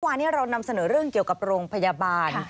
วันนี้เรานำเสนอเรื่องเกี่ยวกับโรงพยาบาล